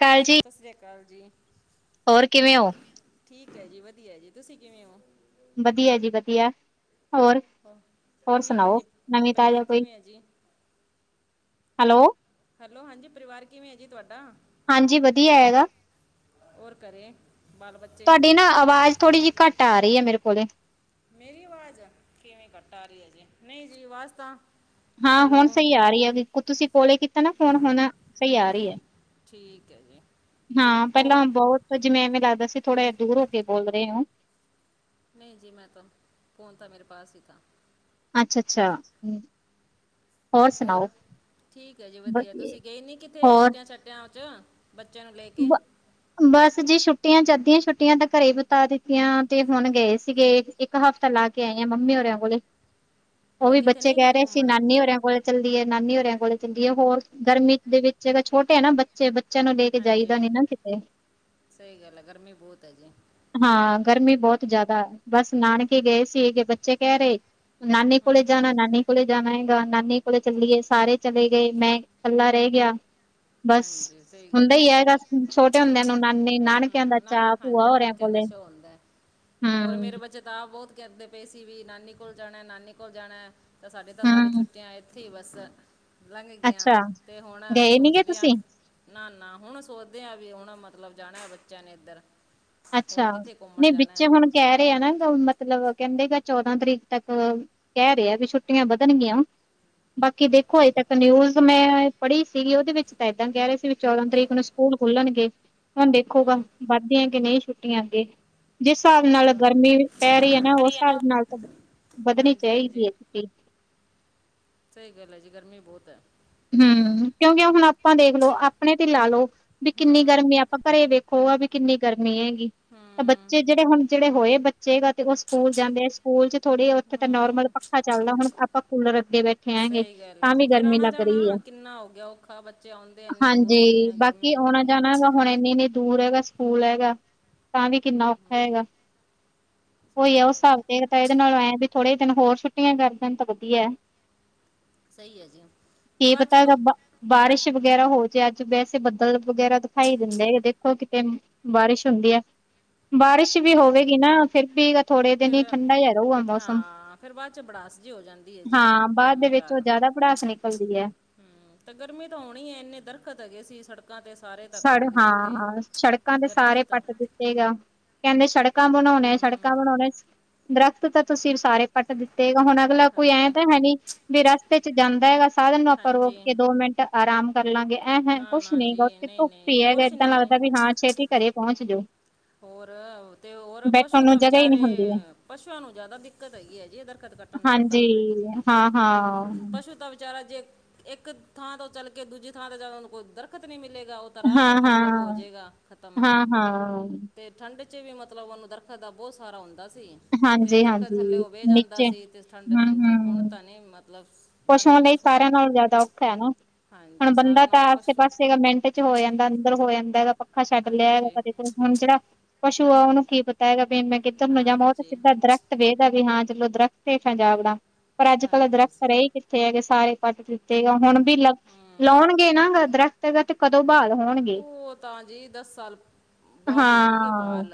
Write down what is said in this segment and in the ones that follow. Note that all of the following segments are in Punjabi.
ਕਾਲ ਜੀ ਸਤਿ ਸ੍ਰੀ ਅਕਾਲ ਜੀ। ਹੋਰ ਕਿਵੇਂ ਓ। ਠੀਕ ਹੈ ਜੀ ਵਧੀਆ ਜੀ ਤੁਸੀਂ ਕਿਵੇਂ ਹੋ। ਵਧੀਆ ਜੀ ਵਧੀਆ ਹੋਰ ਹੋ- ਹੋਰ ਠੀਕ ਹੈ ਸੁਣਾਓ ਜੀ ਨਵੀਂ ਤਾਜ਼ਾ ਪਰਿਵਾਰ ਕੋਈ ਕਿਵੇਂ ਹੈ ਜੀ ਹੈਲੋ ਹੈਲੋ ਹਾਂਜੀ ਪਰਿਵਾਰ ਕਿਵੇਂ ਜੀ ਤੁਹਾਡਾ ਹਾਂਜੀ ਵਧੀਆ ਹੈਗਾ ਔਰ ਘਰੇ ਬਾਲ ਬੱਚੇ ਤੁਹਾਡੀ ਨਾ ਆਵਾਜ਼ ਥੋੜ੍ਹੀ ਜਿ ਘੱਟ ਆ ਰਈ ਆ ਮੇਰੇ ਕੋਲ ਮੇਰੀ ਆਵਾਜ਼ ਕਿਵੇਂ ਕੱਟਾ ਰਈ ਆ ਜੀ ਨਈ ਜੀ ਆਵਾਜ਼ ਤਾਂ ਹਾਂ ਹੈਲੋ ਹੁਣ ਸਈ ਆ ਰਈ ਹੈ ਤੁਸੀਂ ਕੋਲੇ ਕੀਤਾ ਨਾ ਫੋਨ ਹੁਣ ਸਈ ਆ ਰਈ ਹੈ। ਠੀਕ ਹੈ ਜੀ ਹਾਂ ਪੈਲਾਂ ਹੋਰ ਬੋਤ ਜਿਵੇਂ ਐਵੇਂ ਲੱਗਦਾ ਸੀ ਥੋੜਾ ਜਿਹਾ ਦੂਰ ਹੋ ਕੇ ਬੋਲਦੇ ਰਏ ਹੋ। ਨਈ ਜੀ ਮੈਂ ਤਾਂ ਫ਼ੋਨ ਤਾਂ ਮੇਰੇ ਪਾਸ ਹੀ ਥਾ। ਅੱਛਾ-ਅੱਛਾ ਹੋਰ ਠੀਕ ਹੈ ਜੀ ਵਧੀਆ ਤੁਸੀਂ ਗਏ ਨੀ ਕਿੱਥੇ ਹੋਰ ਛੁੱਟਿਆਂ ਛੁੱਟਆਂ 'ਚ ਬੱਚਿਆਂ ਨੂੰ ਲੈ ਕੇ ਬ ਬਸ ਜੇ ਛੁੱਟੀਆਂ ਚਦੀਆਂ ਛੁੱਟੀਆਂ ਤਾਂ ਘਰੇ ਬਿਤਾ ਦਿੱਤੀਆਂ ਤੇ ਹੁਣ ਗਏ ਸੀਗੇ। ਇਕ ਹਫ਼ਤਾ ਲਾ ਕੇ ਆਈ ਹ ਮੰਮੀ ਹੋਰਿਆਂ ਕੋਲ ਉਹ ਹੋਰ ਵੀ ਕਿਤੇ ਬੱਚੇ ਨਹੀਂ ਗਏ ਕਹਿ ਰਏ ਸੀ ਘੁੰਮਣ ਨਾਨੀ ਹੋਰਿਆਂ ਕੋਲ ਚੱਲੀ ਏ ਨਾਨੀ ਹੋਰਿਆਂ ਕੋਲ ਚੱਲੀ ਏ। ਹੋਰ ਗਰਮੀ ਦੇ ਵਿੱਚ ਛੋਟੇ ਆ ਨਾ ਬੱਚੇ ਬੱਚਿਆਂ ਨੂੰ ਲੈ ਕੇ ਹਾਂਜੀ। ਜਾਈਦਾ ਨੀ ਨਾ ਕਿਤੇ ਸਈ ਗੱਲ ਐ ਗਰਮੀ ਬਹੁਤ ਐ ਜੀ। ਹਾਂ, ਗਰਮੀ ਬਹੁਤ ਜਾਦਾ ਬਸ ਨਾਨਕੇ ਗਏ ਸ ਗੇ ਬੱਚੇ ਕੈਰੇ ਨਾਨੀ ਕੋਲੇ ਹਮ, ਜਾਨਾ ਨਾਨੀ ਕੋਲੇ ਜਾਨਾ ਹੈਗਾ। ਨਾਨੀ ਕੋਲੇ ਚੱਲੀਏ ਸਾਰੇ ਚਲੇ ਗਏ ਮੈਂ ਕੱਲਾ ਰੈ ਗਿਆ। ਬਸ ਹਾਂਜੀ ਸਹੀ ਗੱਲ ਹੁੰਦਾ ਹੈ ਈ ਜੀ ਏਗਾ, ਛੋਟੇ ਹੁੰਦਿਆਂ ਨੂੰ ਨਾਨੀ ਨਾਨਕਿਆਂ ਦਾ ਚਾਅ ਭੂਆ ਔਰਯਾ ਨਸ਼ਾ ਹੁੰਦਾ ਹੋਰ ਮੇਰੇ ਬੱਚੇ ਤਾਬ ਬਹੁਤ ਕਹਦੇ ਪਏ ਸੀ ਵੀ ਨਾਨੀ ਕੋਲ ਜਾਣਾ, ਨਾਨੀ ਕੋਲ ਜਾਣਾ ਤਾਂ ਸਾਡੇ ਤਾਂ ਸਾਰੀ ਹੂੰ ਛੁੱਟੀਆਂ ਆ ਇ ਇਥੇ ਬਸ ਲੰਘ ਗਿਆ ਅੱਛਾ ਤੇ ਹੁਣ ਗਏ ਨੀ ਗੇ ਸੋਚਦੀ ਆਂ ਤੁਸੀਂ ਨਾ-ਨਾ ਹੁਣ ਸੋਚਦੇ ਆ ਵੀ ਹੁਣ ਮਤਲਬ ਜਾਣਾ ਬੱਚਿਆਂ ਨੇ ਇੱਧਰ। ਹੋਰ ਅੱਛਾ ਕਿੱਥੇ ਘੁੰਮਣ ਨਹੀਂ ਜਾਣਾ ਵਿੱਚੇ ਹੈ ਹੁਣ ਕਹ ਰਹੇ ਆ ਨਾ ਮਤਲਬ ਕੇਂਦੇਂ ਕ ਚੌਦਾਂ ਤਰੀਕ ਤੱਕ ਕਹ ਰਏ ਵੀ ਛੁੱਟੀਆਂ ਵੱਧਣਗੀਆਂ। ਬਾਕੀ ਦੇਖੋ ਹਜੇ ਤੱਕ ਨਿਊਜ਼ ਮੈਂ ਪੜ੍ਹੀ ਸੀਗੀ ਉਦੇ ਵਿੱਚ ਤਾਂ ਏਦਾਂ ਕੇਰੇ ਸੀ। ਵੀ ਚੌਦਾਂ ਤਰੀਕ ਨੂੰ ਸਕੂਲ ਖੁੱਲਲਣਗੇ। ਹੁਣ ਦੇਖੋ ਹੂੰ ਵੱਧਦੀਆਂ ਕੇ ਨਈ ਛੁੱਟੀਆਂ ਅੱਗੇ। ਜਿਸ ਸਾਬ ਉਹ ਨਾਲ ਤਾਂ ਗਰਮੀ ਪੈ ਰਈ ਐ ਨਾ ਉਸ ਰਹੀ ਹੈ ਸਾਬ ਨਾਲ ਤਾਂ ਵੱਧਨੀ ਹਾਂਜੀ ਚਾਈਦੀ ਅਗੇ। ਸਈ ਗੱਲ ਐ ਜੀ ਗਰਮੀ ਬੋਤ ਐ। ਹਮ ਕਿਉਂਕਿ ਹੁਣ ਆਪਾਂ ਦੇਖਲੋ ਆਪਣੇ ਤੇ ਲਾਲੋ ਵੀ ਕਿੰਨੀ ਹੂੰ ਗਰਮੀ ਆਪਾਂ ਘਰੇ ਵੇਖ ਖੋ ਆ ਵੀ ਕਿੰਨੀ ਗਰਮੀ ਹੈਗੀ ਤਾਂ ਹੂੰ ਬੱਚੇ ਜਿਹੜੇ ਹੁਣ ਜਿਹੜੇ ਹੁਣ ਹੋਏ ਬ ਚਾਈਦਾ ਤੇ ਉਹ ਸਕੂਲ ਜਾਂਦੇ। ਸਕੂਲ 'ਚ ਥੋੜ੍ਹੀ ਉੱਥੇ ਤਾਂ ਨੋਰਮਲ ਹੂੰ ਪੱਖਾ ਚੱਲਦਾ ਹੁਨ ਆਪਾਂ ਕੂਲਰ ਅੱਗੇ ਬੈਠੇ। ਹੈ ਹੇ, ਸਹੀ ਗੱਲ ਹੈ ਤਾਂ ਵੀ ਜੀ ਫਿਰ ਗਰਮੀ ਆਣਾ ਲੱਗ ਫਰੀ ਏ, ਜਾਣਾ ਕਿੰਨਾ ਹੋ ਗਿਆ ਔਖਾ ਬੱਚੇ ਆਉਂਦੇ ਇੰਨੀ ਦੂਰੋਂ ਹਾਂਜੀ ਕਿਵੇਂ ਬਾਕੀ ਗਰਮੀ ਹੋ ਆਉਣਾ ਗਈ ਜਾਣਾ ਵਾ ਹੁਣ ਇਨੀ-ਇਨੀ ਦੂਰ ਐਗਾ ਸਕੂਲ ਐਗਾ ਤਾਂ ਵੀ ਕਿੰਨਾ ਔਖਾ ਐਗਾ। ਉਈ ਸਹੀ ਐ ਗੱਲ ਉਸ ਹੈ ਜੀ ਹਿਸਾਬ ਤੇ ਤਾਂ ਇਦੇ ਨਾਲ ਐਂ ਵੀ ਥੋੜੇ ਦਿਨ ਹੋਰ ਛੁੱਟੀਆਂ ਕਰ ਦੇਨ ਤਾਂ ਵਧੀਆ। ਸਈ ਐ ਜੀ। ਤੇ ਕੀ ਬਾਅਦ ਚ ਪਤਾ ਐਗਾ ਬ ਬਾਰਿਸ਼ ਵਗੈਰਾ ਹੋ ਜੇ ਅੱਜ ਵੈਸੇ ਬੱਦਲ ਵਗੈਰਾ ਦਿਖਾਈ ਦਿੰਦੇ ਦੇ। ਦੇਖੋ ਕਿਤੇ ਬਾਰਿਸ਼ ਹੁੰਦੀ ਐ, ਬਾਰਿਸ਼ ਵੀ ਹਮ, ਹੋਵੇਗੀ ਨਾ ਫਿਰ ਵੀ ਥੋੜੇ ਦਿਨ ਫਿਰ ਹੀ ਠੰਡਾ ਹੀ ਰੂਗਾ ਮੌਸਮ ਹਾਂ ਫਿਰ ਬਾਅਦ ਚ ਬੜਾਸ ਜੀ ਹੋ ਜਾਂਦੀ ਹੈ ਜੀ ਹਾਂ, ਬਾਦ ਦੇ ਗਰਮੀ ਵਿੱਚ ਉਹ ਕਾਰਨ ਜ਼ਿਆਦਾ ਪੜਾਸ ਨਿਕਲਦੀ ਐ। ਹਮ ਤੇ ਗਰਮੀ ਤਾਂ ਹੋਣੀ ਏ ਇੰਨੇ ਦਰਖਤ ਹੈਗੇ ਸੀ ਸੜਕ [unintelligible] ਤੇ ਸਾਰੇ ਤਾਂ ਸੜ ਕੱਟਕ ਦਿੱਤੇ ਗਰਮੀ ਤ ਤੇਗਾ, ਕੇਦੇ, ਸੜਕਾਂ ਹਮ, ਬਣਾਉਣੇ-ਸੜਕਾਂ ਬਣਾਉਣੇ। ਦਰਖ਼ਤ ਤਾਂ ਤੁਸੀਂ ਸਾਰੇ ਪਟ ਦਿੱਤੇ ਗ ਹੁਣ ਅਗਲਾ ਕੋਈ ਹਾਂਜੀ ਐਂ ਤਾਂ ਹੈ ਨੀ ਵੀ ਰਸਤੇ 'ਚ ਜਾਂਦਾ ਹੈਗਾ, ਸਾਧਨ ਨੂੰ ਆਪਾਂ ਰੋਕ ਹਾਂਜੀ ਕੇ ਦੋ ਮਿੰਟ ਆਰਾਮ ਕਰ ਲਾਂਗੇ ਐਂਹ ਨਾ ਕੁਛ ਨਾ ਨੀ ਗਾ ਜੀ ਉੱਥੇ ਨਹੀਂ ਧੁੱਪ ਨਹੀਂ ਈ ਐ ਕੁਛ ਏਦਾਂ ਨਹੀਂ ਲੱਗਦਾ ਵੀ ਹਾਂ ਛੇਤੀ ਘਰੇ ਪੋਂਚ ਜੋੋ। ਹੋਰ ਤੇ ਹੋਰ ਪਸ਼ੂ ਨੂੰ ਤਾਂ ਜਗ੍ਹਾ ਹੀ ਨਹੀਂ ਵਿਚਾਰੇ ਹੁੰਦੀ ਹੈ ਪਸ਼ੂਆਂ ਨੂੰ ਜਾਦਾ ਦਿੱਕਤ ਹੈਗੀ ਹੈ ਜੀ ਇਧਰ। [unintelligible] [unintelligible] [unintelligible] ਤੇ ਹਾਂ। ਪਸ਼ੂ ਤਾ ਵਿਚਾਰਾ ਜੇ ਇੱਕ ਥਾਂ ਤੋਂ ਚੱਲ ਕੇ ਦੂਜੀ ਥਾਂ 'ਤੇ ਜਾ, ਉਨੂ ਕੋਈ ਦਰਖਤ ਨਹੀਂ ਮਿਲੇਗਾ ਉ ਤਰ੍ਹਾਂ 'ਚ ਹੀ ਮਤਲਬ ਹੋਜੇਗਾ ਖ਼ਤਮ। ਹਮ। ਤੇ ਠੰਡ 'ਚ ਵੀ ਮਤਲਬ ਉਨੂੰ ਦਰਖਤ ਦਾ ਬੋਤ ਸਾਰਾ ਹੁੰਦਾ ਸੀ। ਤੇ ਦਰਖਤ ਥੱਲੇ ਹਾਂਜੀ-ਹਾਂਜੀ ਉਹ ਬਹਿ ਨੀਚੇ ਹਮ-ਹਮ। ਨਈ ਮਤਲਬਸ ਪਸ਼ੂਆ ਲਈ ਸਾਰੇਆਂ ਨਾਲੋ ਜ਼ਿਆਦਾ ਔਖਾ ਹੈ ਨਾ, ਹੁਣ ਹਾਂਜੀ ਬੰਦਾ ਸਾਰਾ ਤਾਂ ਨਾਲ ਆਸੇ- ਪਸ਼ੂ ਪਾਸੇ ਮਿੰਟ ਤੇ ਹੋ ਜਾਂਦਾ, ਅੰਦਰ ਹੋ ਜਾਂਦਾ ਹੈਗਾ, ਪੱਖਾ ਛੱਡ ਲੇਆ, ਹਾਂਜੀ ਕਦੇ ਹੁਣ ਜਿਹੜਾ ਪਸੂ ਆ ਓਹਨੂੰ ਕੀ ਪਤਾ ਹੈਗਾ, ਵੀ ਮੈਂ ਕਿੱਧਰ ਨੂੰ ਜਾਵਾਂ, ਉਹ ਤੇ ਹਾਂਜੀ ਸਿੱਧਾ ਦਰਖਤ ਵੇਂਹਦਾ ਵੀ ਹਾਂ ਚਲੋ ਦਰੱਖ਼ਤ ਸੇਫ ਹੈਗਾ ਆਪਦਾ, ਪਰ ਅੱਜ ਕੱਲ੍ਹ ਹਾਂਜੀ ਦਰੱਖਤ ਸ- ਕਿੱਥੇ ਹੈਗੇ ਸਾਰੇ ਕੱਟ ਦਿੱਤੇ, ਗ ਹੁਣ ਵੀ ਲ ਹੂੰ ਲੋਣਗੇ ਨਾ ਦਰੱਖਤ ਤੇ ਕਦੋਂ ਬਹਾਲ ਹੋਣਗੇ ਉਹ ਤਾਂ ਜੀ ਸਾਲ ਬਾਅਦ ਹੀ ਹਾਂ ਹੋਣਗੇ ਬਾਲ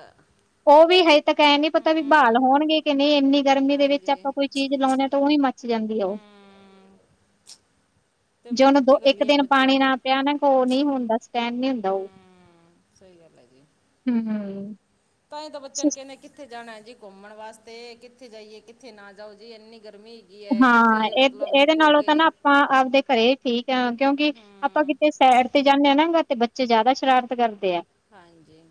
ਉਹ ਵੀ ਹਜੇ ਤੱਕ ਐ ਨੀ ਪਤਾ ਵੀ ਬਹਾਲ ਹੂੰ ਹੋਣਗੇ ਕਿ ਨਈ, ਏਂਨੀ ਗਰਮੀ ਦੇ ਵਿੱਚ ਹਾਂਜੀ ਆਪਾਂ ਕੋਈ ਚੀਜ਼ ਲਾਓਦੇ ਆ ਤਾਂ ਓਹੀ ਮ ਕਿਥੱ ਜਾਂਦੀ ਆ ਓ? ਹਮ ਜੇ ਉਹਨੂੰ ਦੋ -ਇੱਕ ਦਿਨ ਪਾਣੀ ਨੂੰ ਨਾ ਪਿਆਓ ਨਾ, ਕੋ ਓਹ ਨਈ ਹੁੰਦਾ ਸਟੈਂਡ ਨਈ ਹੁੰਦਾ ਓਹ। ਹੂੰ ਸਹੀ ਗੱਲ ਐ ਜੀ, ਤਾਂਹੀ ਤਾਂ ਬੱਚੇਆ ਨੂੰ ਸਿਸ ਕੈਂਦੇ ਕੀ ਕਿੱਥੇ ਜਾਣਾ ਜੀ ਘੁੰਮਣ ਵਾਸਤੇ, ਕਿੱਥੇ ਜਾਈਏ ਕਿੱਥੇ ਨਾ ਜਾਓ ਜੀ ਏਨੀ ਗਰਮੀ ਹੈਗੀ। ਕੀ ਆ ਕਿੱਥੇ ਮਤਲਬ ਰੁਕੋਗੇ। ਹਾ ਆਪਦੇ ਘਰੇ ਠੀਕ ਆ ਕਿਓਕਿ ਆਪਾਂ ਹੂੰ ਕਿਤੇ ਸੈਡ ਤੇ ਜਾਂਦੇ ਹਾਂ ਨਾ, ਗ ਤੇ ਬੱਚੇ ਜਿਆਦਾ ਸ਼ਰਾਰਤ ਕਰਦੇ ਆ। ਹਾਂਜੀ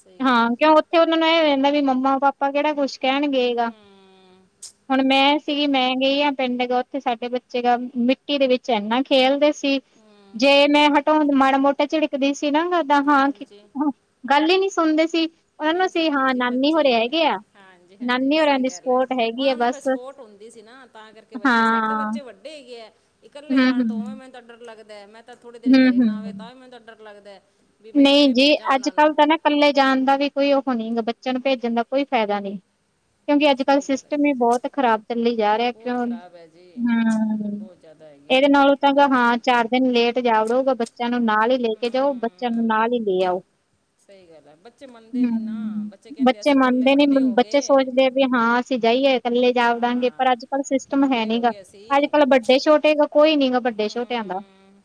ਸਹੀ ਗੱਲ ਹੈ ਜੀ। ਓਹਨਾ ਨੂੰ ਏਹ ਹੋ ਜਾਂਦਾ ਵੀ ਮੰਮਾ -ਪਾਪਾ ਕਿਹੜਾ ਕੁਛ ਕਹਿਣਗੇ ਗਾ ਹੂੰ ਹੁਣ ਮੈਂ ਤੇ ਮੈ ਗਈ ਜਾਂ ਪਿੰਡ ਗ ਉੱਥੇ ਸਾਡੇ ਬੱਚੇ ਗ ਮਿੱਟੀ ਦੇ ਵਿੱਚ ਏਨਾ ਖੇਲਦੇ ਸੀ। ਤੇ, ਹੂੰ ਜੇ ਮੈਂ ਹਟਾਓਣ ਮਾੜਾ ਮੋਟਾ ਝਿੜਕਦੀ ਸੀ ਨਾ ਜਾਦਾ ਹਾਂ ਹਾਂਜੀ ਗੱਲ ਈ ਨਈ ਸੁਣਦੇ ਸੀ। ਉਹਨਾਂ ਨੂੰ ਨਹੀਂ ਅਸੀਂ ਸੁਣਦੇ ਹਾਂ ਜੀ ਨਾਨੀ ਹੋਰੇ ਬੱਚੇ, ਹੈਗੇ ਆ ਹਾਂਜੀ- ਹਾਂਜੀ ਨਾਨੀ ਹੋਰਾਂ ਸਹੀ ਦੀ ਗੱਲ ਏ, ਸਪੋਰਟ ਹੈਗੀ ਆ ਓਹਨਾਂ ਨੂੰ ਫਿਰ ਬਸ ਸਪੋਰਟ ਹੁੰਦੀ ਸੀ ਨਾ ਤਾਂ ਕਰਕੇ ਬੱਚੇ, ਸਾਡੇ ਤਾਂ ਬੱਚੇ ਹਾਂ ਵੱਡੇ ਹੈਗੇ ਆ, ਹਮ ਇਕੱਲੇ ਜਾਣ ਤੋਂ ਔ ਹਮ ਮੈਨੂੰ ਤਾਂ ਡਰ ਲੱਗਦਾ ਏ, ਮੈਂ ਬੱਚਾ ਥੋੜ੍ਹੀ ਦੇਰ ਘਰੇ ਹਮ ਨਾ ਆਵੇ, ਹਮ ਤਾਂ ਵੀ ਮੈਨੂੰ ਤਾਂ ਡਰ ਲੱਗਦਾ ਏ, ਨਹੀਂ ਜੀ, ਅੱਜ ਕੱਲ ਤਾਂ ਨਾ ਕੱਲੇ ਜਾਣ ਦਾ ਵੀ ਕੋਈ ਉਹ ਨਹੀ, ਬੱਚੇਆਂ ਨੂੰ ਭੇਜਣ ਦਾ ਕੋਈ ਫਾਇਦਾ ਨਹੀਂ। ਕਿਉਂਕਿ ਅੱਜ ਕੱਲ੍ਹ ਸਹੀ ਗੱਲ ਹੈ ਸਿਸਟਮ ਹੀ ਬਹੁਤ ਖ਼ਰਾਬ ਚੱਲੀ ਜਾ ਰਿਹਾ ਬਹੁਤ ਕਿਉਂ ਹਮ ਖਰਾਬ ਹੈ ਜੀ ਬਹੁਤ ਜ਼ਿਆਦਾ ਹੈਗੀ ਆ ਇਹਦੇ ਨਾਲੋਂ ਤਾਂ ਬੱਚੇ ਹਾਂ ਚਾਰ ਦਿਨ ਲੇਟ ਜਾਲਓ ਪਰ ਬੱਚੇਆਂ ਨੂੰ ਨਾਲ ਹੀ ਲੈ ਕੇ ਜਾਓ ਚਾਨੂੰ ਹਮ ਨਾਲ ਲਈ। ਲੇ ਆਓ। ਸਹੀ ਗੱਲ ਹੈ ਬੱਚੇ ਮੰਨਦੇ ਹੂੰ। ਨੀ ਨਾ, ਬੱਚੇ ਕਹਿੰਦੇ ਅਸੀਂ ਇਕੱਲੇ ਮੰਨਦੇ ਨੀ, ਵੱਡੇ ਹੋ ਬੱਚੇ ਗਏ। ਸੋਚਦੇ ਆ ਹਾਂ। ਅਸੀਂ ਜਾਈਏ ਇਕੱਲੇ ਜਾ ਦਾਂਗੇ ਪਰ ਹਾਂ ਅੱਜ- ਕੱਲ ਸਿਸਟਮ ਹੈ ਵੱਡੇ ਨੀ ਹੋ ਗਾ ਗਏ ਅੱਜ ਅਸੀਂ -ਕੱਲ੍ਹ ਵੱਡੇ- ਛੋਟੇ। ਕੋਈ ਨੀ ਗਾ ਵੱਡੇ ਛੋਟਿਆਂ ਦਾ ਹਮ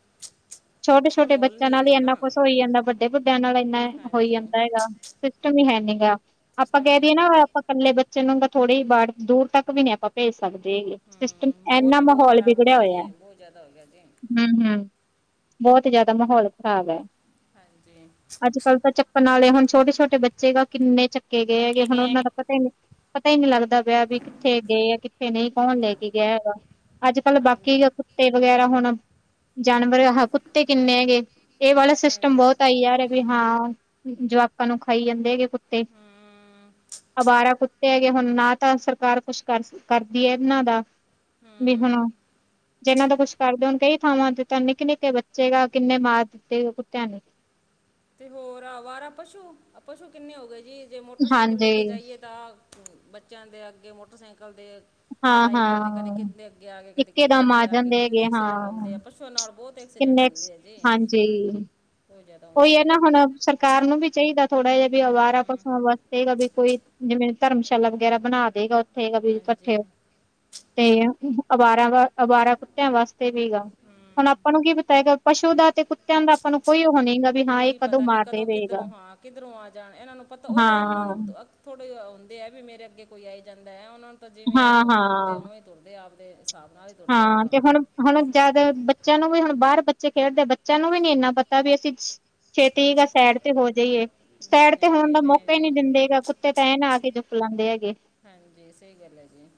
ਛੋਟੇ ਅੱਜ ਕੱਲ ਛੋਟੇ ਮੋਲ ਬੱਚਿਆਂ ਨਹੀਂ ਨਾਲ ਹੀ ਰਿਹਾ ਇੰਨਾ। ਨਾ ਕੁਛ ਹੋਈ ਜਾਂਦਾ ਵੱਡੇ ਵੱਡਿਆਂ ਨਾਲ ਇੰਨਾ ਹੋਈ ਹਾਂਜੀ ਜਾਂਦਾ ਹੈਗਾ ਸਿਸਟਮ ਹੀ ਹੈ ਨੀਗਾ। ਆਪਾਂ ਸਿਸਟਮ ਕਹਿ ਨੇ ਦਈਏ ਨਾ ਹਮ ਆਪਾਂ ਇਕੱਲੇ ਬੱਚੇ ਨੂੰ ਤਾਂ ਥੋੜ੍ਹੀ ਹੀ ਬਾਹਰ ਦੂਰ ਤੱਕ ਵੀ ਨਹੀਂ ਆਪਾਂ ਭੇਜ ਸਕਦੇ ਹੈਗੇ। ਸਿਸਟਮ ਮੋਲ ਇਨਾ ਹੀ ਬਹੁਤ ਮਾਹੌਲ ਖਰਾਬ ਹੋ ਵਿਗੜਿਆ ਗਿਆ ਜੀ ਹੋਇਆ। ਬਹੁਤ ਜ਼ਿਆਦਾ ਹੋ ਗਿਆ ਜੀ ਹਮ, ਹਮ ਬਹੁਤ ਜਿਆਦਾ ਮਾਹੌਲ ਖ਼ਰਾਬ ਹੈ। ਹਾਂਜੀ। ਅੱਜ -ਕੱਲ੍ਹ ਤਾਂ ਚੱਕ ਬਨਾਲੇ ਹੁਣ ਛੋਟੇ -ਛੋਟੇ ਬੱਚੇ ਗ ਕਿੰਨੇ ਚੱਕੇ ਗਏ ਹੈਗੇ ਹੁਣ ਉਹਨਾਂ ਦਾ ਪਤਾ ਹੀ ਪਤਾ ਹੀ ਨਹੀਂ ਲੱਗਦਾ। ਵੀ ਕਿੱਥੇ ਗਏ ਆ ਕਿੱਥੇ ਨਹੀਂ ਕੌਣ ਲੈ ਕੇ ਗਿਆ ਹੈਗਾ ਅੱਜ ਕੱਲ ਬਾਕੀ। ਹਾਂਜੀ ਕੁੱਤੇ ਵਗੈਰਾ ਹੁਣ ਜਾਨਵਰ ਆ ਕੁੱਤੇ ਕਿੰਨੇ ਹੈਗੇ ਇਹ ਵਾਲੇ ਸਟਮ ਹਾਂਜੀ ਬਹੁਤ ਆਈ ਯਾਰ ਵੀ ਹਾਂ ਜਵਾਕਾਂ ਨੂੰ ਖਾਈ ਜਾਂਦੇ। ਕੁੱਤੇ, ਹਮ ਅਬਾਰਾ ਕੁੱਤੇ। ਤੇ ਹੈਗੇ ਹੁਣ ਨਾ ਤਾਂ ਸਰਕਾਰ ਕੁਛ ਕਰ ਕਰਦੀ ਹੈ ਇਹਨਾਂ ਦਾ ਵੀ ਹੁਣ। ਹਮ ਜਿਹਨਾਂ ਦਾ ਕੁਛ ਕਰਦੇ ਹੋ ਹੁਣ ਕਈ ਥਾਵਾਂ ਤੇ ਤਾਂ ਨਿੱਕੇ- ਨਿੱਕੇ ਬੱਚੇ ਗ ਕਿੰਨੇ ਮਾਰ ਦਿੱਤੇ ਕੁੱਤਿਆਂ ਨੇ। ਤੇ ਹੋਰ ਆ, ਵਾਰਾ ਪਸੂ- ਪਸੂ ਕਿੰਨੇ ਹੋ ਗਏ ਜੀ, ਜੇ ਮੋਟਰਸਾਈਕਲ ਹਾਂਜੀ ਲੈਕੇ ਜਾਈਏ ਤਾ, ਬੱਚਿਆਂ ਦੇ ਅੱਗੇ, ਮੋਟਰਸਾਈਕਲ ਦੇ ਹਾਂ ਲੜਾਈ ਕਰਦੇ, ਕਦੇ ਹਾਂ ਕਿੰਨਦੇ ਅੱਗੇ ਆ ਗਏ -ਕਦੇ ਇੱਕੇ ਕਿੰਨਦੇ ਦਮ ਅੱਗੇ ਆ ਗਏ, ਜਾਂਦੇ ਕਿੰਨੇ ਹੈਗੇ ਹਾਂ ਐਕਸੀਡੈਂਟ ਹੁੰਦੇ ਆ, ਪਸ਼ੂਆਂ ਨਾਲ ਬਹੁਤ ਐਕਸੀਡੈਂਟ ਕਿੰਨੇ ਹੁੰਦੀ ਹੈ ਜੀ, ਕੋ ਜਿਆਦਾ ਓਹੀ ਹੈ ਨਾ, ਹੁਣ- ਸਰਕਾਰ ਨੂੰ ਵੀ ਚਾਹੀਦਾ ਥੋੜਾ ਜਿਹਾ, ਵੀ ਅਵਾਰਾ ਹਮ ਪਸੂਆਂ ਵਾਸਤੇਗਾ ਵੀ ਕੋਈ ਜਿਵੇਂ ਧਰਮਸ਼ਾਲਾ ਵਗੈਰਾ ਬਣਾ ਦੇਗਾ, ਉੱਥੇਗਾ ਵੀ ਹਾਂਜੀ ਇਕੱਠੇ ਤੇ ਅਵਾਰਾਂ ਵ ਅਬਾਰਾਂ- ਕੁੱਤਿਆਂ 'ਵਾਸਤੇ ਵੀਗਾ ਹੁਣ ਹਮ ਆਪਾਂ ਨੂੰ ਕੀ ਪਤਾ ਹੈਗਾ 'ਪਸੂ' ਦਾ ਤੇ 'ਕੁੱਤਿਆਂ' ਦਾ ਆਪਾਂ ਨੂੰ ਕੋਈ ਉਹ ਨਹੀਂ ਕੋਈ ਪਤਾ ਨੀ ਕਦੋਂ ਕਿੱਧਰੋਂ ਹਾਂ ਕਿੱਧਰੋਂ ਆ ਜਾਣ, ਇਹਨਾਂ ਨੂੰ ਪਤਾ ਉਹ ਤਾਂ ਇਹਨਾਂ ਨੂੰ ਹਾਂ, ਥੋੜ੍ਹੇ ਆਉਦੇ ਆ ਵੀ ਮੇਰੇ ਅੱਗੇ ਕੋਈ ਆਈ ਜਾਂਦਾ ਐ ਓਨਾਂ ਨੂੰ ਤਾਂ ਜਿਵੇਂ ਓ ਹਾਂ, ਤੁਰਦੇ ਹਾਂ। ਓਵੇ ਤੁਰਦੇ ਆਦੇ, ਹਿਸਾਬ ਨਾਲ ਤੁਰਦੇ ਆ ਉਹ ਹਾਂ, ਤਾਂ ਤੇ ਹੁਣ ਹੁਣ ਜਾਦਾ ਬੱਚਿਆਂ ਨੂੰ ਵੀ ਹੁਣ ਬਾਹਰ ਬੱਚੇ ਖੇਡਦੇ, ਬੱਚਿਆਂ ਨੂੰ ਵੀ ਨੀ ਐਨਾ ਪਤਾ ਵੀ ਅਸੀਂ ਛੇਤੀ ਆ ਸੈਡ ਤੇ ਹੋ ਜਾਈਏ, ਨਹੀਂ ਸੈਡ ਤੇ ਨਹੀਂ ਹੋਣ ਜੀ ਦਾ ਮੌਕਾ ਹੀ ਨਹੀਂ ਜੀ ਦਿੰਦੇ ਕੁੱਤੇ ਤਾਂ ਐਨ ਆ ਕੇ ਫਲਾਂਦੇ ਹੈਗੇ। ਹਾਂਜੀ ਸਹੀ ਗੱਲ ਹੈ ਜੀ,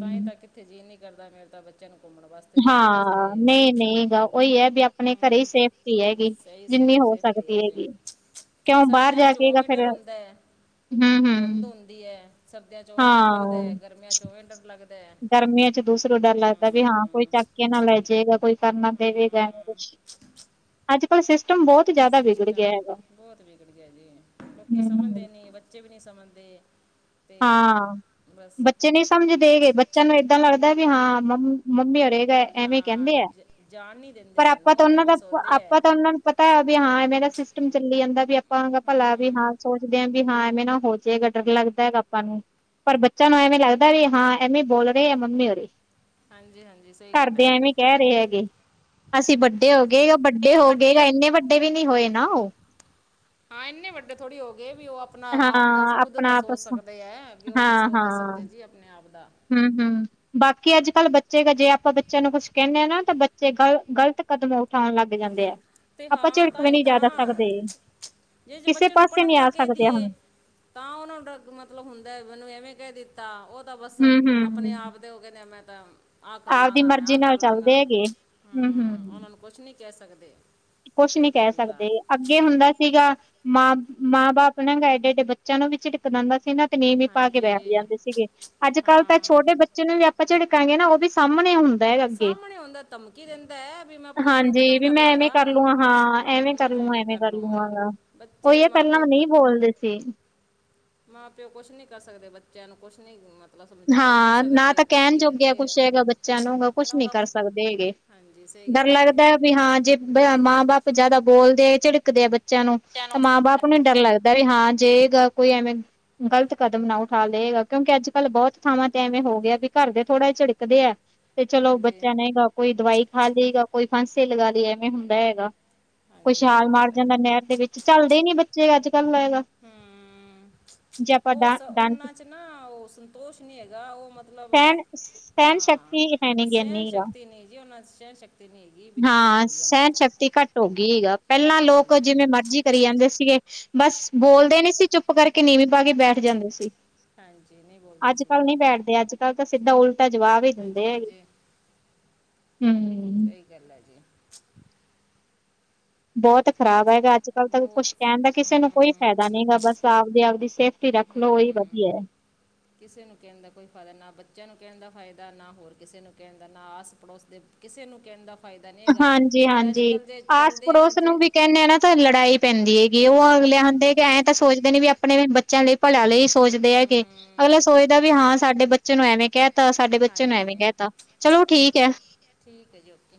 ਤਾਂਹੀ ਤਾਂ ਕਿੱਥੇ ਜੀ ਨਹੀਂ ਕਰਦਾ, ਮੇਰੇ ਤਾਂ ਬੱ ਜਨ ਘੁੰਮਣ ਵਸ ਹਾਂ, ਨਹੀਂ-ਨਹੀਂ ਗਾ। ਉਹੀ ਐ ਵੀ ਆਪਣੇ ਘਰੇ ਈ ਸੇਫਟੀ ਹੈਗੀ। ਸ ਜਿੰਨੀ ਹੋ ਸੇਫਟੀ ਸਕਦੀ ਹੈਗੀ, ਕਿਉਂ ਬਾਹਰ ਸਰਦੀਆਂ ਜਾ 'ਚ ਕੇਗਾ ਉਵੇਂ ਡਰ ਫੇਰ ਹੁੰਦਾ ਐ ਧੁੰਦ ਹੂੰ-ਹੂੰ, ਹੁੰਦੀ ਐ, ਸਰਦੀਆਂ 'ਚ ਉਵੇਂ ਡੰਟ ਹਾਂ। ਲੱਗਦਾ, ਗਰਮੀਆਂ 'ਚ ਉਵੇਂ ਡੰਟ ਲੱਗਦਾ ਗਰਮੀਆਂ ਚ ਦੂਸਰੋ ਡਰ ਲੱਗਦਾ ਵੀ ਹਾਂ ਕੋਈ ਹਮ, ਚੱਕ ਕੇ ਨਾ ਲੈ ਜੇ ਜਾ ਕੋਈ ਕਰਨਾ ਦੇਵੇਗਾ ਵੇ ਹਮ, ਕੁਛ, ਅੱਜ- ਕੱਲ ਸਿਸਟਮ ਬਹੁਤ ਜ਼ਿਆਦਾ ਵਿਗੜ ਗਿਆ ਸਿਸਟਮ ਹੈਗਾ। ਬਹੁਤ ਵਿਗੜ ਗਿਆ ਜੀ, ਲੋਕੀ ਸਮਝਦੇ ਹੂੰ। ਨੀ ਬੱਚੇ ਵੀ ਨੀ ਸਮਝਦੇ। ਤੇ ਹਾਂ, ਬਸ ਬੱਚੇ ਨੀ ਸਮਝ ਦੇ ਹੈਗੇ ਬੱਚਿਆਂ ਨੂੰ ਏਦਾਂ ਲੱਗਦਾ ਵੀ ਹਾਂ ਮੰ ਮੰਮੀ ਅਰੇ ਤਾਂ ਐਵੇਂ ਹਾਂ ਕਹਿੰਦੇ ਆ, ਜ- ਜਾਣ ਨਹੀਂ ਦਿੰਦੇ ਪਰ ਆਪਾਂ ਤਾਂ ਸਾਨੂੰ ਉਹਨਾਂ ਦਾ, ਐਵੇਂ ਸੋਚਦੇ ਆਪਾਂ ਹੈ ਤਾਂ ਉਹਨਾਂ ਨੂੰ ਪਤਾ ਵੀ ਹਾਂ ਐਵੇਂ ਦਾ ਸਿਸਟਮ ਚੱਲੀ ਜਾਂਦਾ ਵੀ ਆਪਾਂ ਭਲਾ ਵੀ ਹਮ, ਹਾਂ ਸੋਚਦੇ ਆ ਵੀ ਵੀ ਹਾਂ ਐਵੇਂ ਨਾ ਹੋ ਜੇ ਡਰ ਲੱਗਦੈ ਗਾ। ਆਪਾਂ ਨੂੰ, ਪਰ ਬੱਚਿਆਂ ਨੂੰ ਐਵੇਂ ਲੱਗਦਾ ਵੀ ਹਾਂ ਐਵੇਂ ਬੋਲ ਰਹੇ ਮੰਮੀ ਹੋਰੀ ਹਾਂਜੀ ਹਾਂਜੀ ਸਹੀ ਗੱਲ ਹੈ ਘਰਦੇ ਜੀ ਐਵੇਂ ਕਹਿ ਰਹੇ ਹੈਗੇ ਅਸੀਂ ਵੱਡੇ ਹੋ ਹਾਂਜੀ ਗਏ ਤੇ ਵੱਡੇ ਉਹ ਹੋ ਗਏ ਐਨੇ ਵੱਡੇ ਵੀ ਨੀ ਹੋਏ ਨਾ ਓ। ਹਾਂ ਐਨੇ ਵੱਡੇ ਥੋੜੇ ਹੋ ਗਏ ਵੀ ਓ ਆਪਣਾ ਹਾਂ ਆਪ ਦਾ ਖੁਦ ਦਾ ਆਪਣਾ ਸੋਚ ਆਪਸ ਸਕਦੇ ਐ। ਵੀ ਉਹ ਨੀ ਹਾਂ ਹਾਂ ਸੋਚਦੇ ਸਕਦੇ ਜੀ ਆਪਣੇ ਆਪ ਦਾ ਹਮ- ਹਮ ਬਾਕੀ ਅੱਜ- ਕੱਲ ਬੱਚੇ, ਜੇ ਆਪਾਂ ਬੱਚਿਆਂ ਨੂੰ ਕੁਛ ਕਹਿੰਦੇ ਹਾਂ ਨਾ, ਤਾਂ ਬੱਚੇ ਗਲ ਗਲਤ ਕਦਮ ਉਠਾਣ ਲੱਗ ਜਾਂਦੇ ਐ‌। ਤੇ ਹਾਂ ਤਾਈ ਤਾਂ, ਜੇ ਜੇ ਕਿਸੇ ਬੱਚੇ ਨੂੰ ਪਾਸੇ ਪੜਨ ਨਹੀਂ ਦਾ ਆ ਕਹਿ ਸਕਦੇ ਦੀਏ ਹੁਣ ਤਾਂ ਉਹਨੂੰ ਡਰੱਗ ਮਤਲਬ ਹੁੰਦਾ ਮੈਨੂੰ ਐਵੇਂ ਕਹਿ ਦਿੱਤਾ ਉਹ ਤਾਂ ਬਸ ਹਮ ਆਪਣੇ ਹਮ ਆਪ ਦੇ ਉਹ ਕਹਿੰਦੇ ਆ ਮੈਂ ਤਾਂ ਆਹ ਕਰ ਆਪਦੀ ਲਾਗਾ ਮੈਂ ਮਰਜ਼ੀ ਆਹ ਕਰ ਨਾਲ ਲਾਗਾ, ਚੱਲਦੇ ਹੈਗੇ ਹਮ ਹੂੰ ਹਮ ਓਨਾਂ ਨੂੰ ਕੁਛ ਨੀ ਕਹਿ ਸਕਦੇ। ਕੁਛ ਨੀ ਬੱਚਿਆਂ ਕਹਿ ਨੂੰ ਤਾਂ ਸਕਦੇ ਗੇ। ਅੱਗੇ ਹੁੰਦਾ ਸੀਗਾ, ਮਾਂ, ਮਾਂ- ਬਾਪ ਨਾ ਗ ਐਡੇ- ਐਡੇ ਬੱਚਿਆਂ ਨੂੰ ਵੀ ਝਿੜਕ ਦਿੰਦਾ ਸੀ ਨਾ ਨੀਮੀ ਪਾ ਕੇ ਬੈਠ ਹਾਂਜੀ ਜਾਂਦੇ ਸੀਗੇ, ਅੱਜ-ਕੱਲ ਤਾਂ ਹਾਂ ਛੋਟੇ ਬੱਚੇ ਨੂੰ ਵੀ ਅ ਆਪਾ ਝੜਕਾਂਗੇ ਨਾ ਉਹ ਵੀ ਸਾਹਮਣੇ ਹੁਣ ਸਾਹਮਣੇ ਆਉਂਦਾ ਧਮਕੀ ਦਿੰਦੈ ਵੀ ਮੈਂ ਆਪਣੇ ਆਪ ਨੂੰ ਖ਼ਤਮ ਕਰ ਲਾਗਾ। ਕਰਲੂੰ ਹਾਂ ਐਵੇਂ ਕਰਲੂ ਐਵੇਂ ਕਰਲੂ ਲਵਾਂਗਾ ਗਾ, ਓਹੀ ਬੱਚੇ ਆ ਪਹਿਲਾਂ ਮਾਪਿਓ ਨ‌ਈ ਬੋਲਦੇ ਸੀ। ਮਾਂ-ਪਿਓ ਕੁਛ ਨੀ ਕਰ ਸਕਦੇ ਬੱਚਿਆਂ ਨੂੰ ਕੁਛ ਨੀ ਹਾਂ ਨਾ ਤਾਂ ਕਹਿਣ ਜੋਗੇ ਆ ਕੁਛ ਹੈਗਾ ਬੱਚਾ ਬੱਚਿਆਂ ਨੂੰ ਕੁਛ ਨੀ ਕਰ ਸਕਦੇ ਹੈਗੇ, ਹਾਂਜੀ ਸਹੀ ਡਰ ਗੱਲ ਹੈ ਜੀ ਲੱਗਦਾ। ਵੀ ਹਾਂ ਜੇ ਮਾਂ- ਬਾਪ ਜਿਆਦਾ ਬੋਲਦੇ ਆ, ਝਿੜਕਦੇ ਆ, ਬੱਚਿਆਂ ਨੂੰ ਤਾਂ ਮਾਂ- ਬਾਪ ਨੂੰ ਡਰ ਲੱਗਦਾ। ਵੀ ਹਾਂ ਜੇਗਾ ਕੋਈ ਐਵੇਂ ਗ਼ਲਤ ਕਦਮ ਨਾ ਉਠਾ ਲੇਗਾ ਕਿਉਂਕਿ ਅੱਜ ਕੱਲ ਬਹੁਤ, ਥਾਵਾਂ ਤੇ ਐਵੇਂ ਹੋ ਗਿਆ ਵੀ ਘਰ ਦੇ ਥੋੜਾ ਜ ਝਿੜਕਦੇ ਆ, ਤੇ ਚਲੋ ਹਾਂਜੀ ਬੱਚਾ ਨਹੀਂਗਾ- ਕੋਈ ਦਵਾਈ ਖਾ ਲਈ ਗਾ ਕੋਈ ਫਾਂਸੀ ਲਗਾ ਲਈਏ ਐਵੇਂ ਹੁੰਦਾ ਹੈਗਾ। ਕੋਈ ਹਾਂਜੀ ਛਾਲ ਸਹੀ ਮਾਰ ਗੱਲ ਹੈ ਜਾਂਦਾ ਜੀ ਨਹਿਰ ਦੇ ਵਿੱਚ ਚੱਲਦੇ ਹੀ ਨੀ ਬੱਚੇ ਅੱਜ ਕੱਲ ਹੋਏਗਾ। ਹੂੰ ਉਹ ਡਾਂਟ ਉਹਨਾਂ ਚ ਨਾ ਉਹ ਸੰਤੋਸ਼ ਨੀ ਹੈਗਾ ਉਹ ਮਲ- ਮਤਲਬ ਸਹਿਣ ਸਹਿਣ ਹਾਂ ਸ਼ਕਤੀ ਹੈ ਨੀ ਗੀ ਸਹਿਣ ਇੰਨੀ ਗਾ ਸ਼ਕਤੀ ਨਹੀਂ ਜੀ ਉਹਨਾਂ ਚ ਸਹਿਣ ਸ਼ਕਤੀ। ਤੀ ਨਹੀਂ ਹੈਗੀ, ਬਿਲਕੁਲ ਹਾਂ, ਨੀ ਹੈਗੀ ਓਨਾ ਸਹਿਣ ਸ਼ਕਤੀ ਘੱਟ ਚ। ਹੋ ਗੀ ਗਾ ਪਹਿਲਾਂ ਲੋਕ ਹਾਂਜੀ ਜਿਵੇਂ ਮਰਜੀ ਕਰੀ ਜਾਂਦੇ ਸੀਗੇ, ਬਸ ਹਮ ਬੋਲਦੇ ਨੀ ਸੀ ਚੁੱਪ ਕਰਕੇ ਕਿ ਨੀਵੀਂ ਪਾ ਕੇ ਬੈਠ ਜਾਂਦੇ ਸੀ, ਹਾਂਜੀ ਨਹੀਂ ਬੋਲਦੇ ਅੱਜ ਸੀ ਕੱਲ ਜੀ ਨਹੀਂ ਬੈਠਦੇ ਅੱਜ- ਤਾਂ ਸਿੱਧਾ ਉਲਟਾ ਜਵਾਬ ਹੀ ਦਿੰਦੇ ਹਾਂਜੀ ਹੈਗੇ, ਹਾਂਜੀ ਹੂੰ। ਸਹੀ ਗੱਲ ਐ ਜੀ। ਬਹੁਤ ਖ਼ਰਾਬ ਹੈਗਾ ਅੱਜ ਕੱਲ ਤਾਂ ਕੁਛ ਬਹੁਤ ਕਹਿਣ ਦਾ, ਕਿਸੇ ਨੂੰ ਕੋਈ ਹਮ ਫਾਇਦਾ ਨਹੀਂ ਹੈਗਾ, ਬਸ ਆਪ ਆਪਦੀ ਸੇਫਟੀ ਰੱਖ ਲਓ ਉਹੀ ਹਮ ਵਧੀਆ ਐ। ਕਿਸੇ ਨੂੰ ਕਹਿਣ ਦਾ ਕੋਈ ਫਾਇਦਾ, ਨਾ ਬੱਚਿਆਂ ਨੂੰ ਕਹਿਣ ਦਾ ਫਾਇਦਾ, ਨਾ ਹੋਰ ਕਿਸੇ ਨੂੰ ਕਹਿਣ ਦਾ, ਨਾ ਆਸ- ਪੜੋਸ ਦੇ ਕਿਸੇ ਨੂੰ ਕਹਿਣ ਦਾ ਫਾਇਦਾ ਨਹੀਂ ਹੈਗਾ, ਜੇ ਅੱਜ ਕੱਲ ਜੇ ਚੱਲਦੇ ਹਾਂ ਜੇ ਕਹਿੰਦੇ ਆ ਨਾ ਤਾਂ ਲੜਾਈ ਪੈਂਦੀ ਹੈਗੀ ਐਂ, ਉਹ ਅਗਲੇਿ ਹਾਂਜੀ ਹੁੰਦੇ ਐਏਂ ਤਾਂ ਸੋਚਦੇ ਨੇ ਵੀ ਆਪਣੇ ਬੱਚਿਆਂ ਲਈ ਭਲਾ ਲਈ। ਸੋਚਦੇ ਹੈ ਕੀ ਹੂੰ ਅਗਲੇ ਸੋਚਦਾ ਵੀ ਹਾਂ ਸਾਡੇ ਬੱਚੇ ਨੂੰ ਐਵੇਂ ਕਹਿ- ਤਾਂ, ਸਾਡੇ ਬੱਚੇ ਨੂੰ ਐਵੇਂ ਹਾਂਜੀ ਕਹਿ ਤਾ ਚਲੋ ਠੀਕ ਹੈ। ਠੀਕ ਹੈ ਜੀ, ਓਕੇ।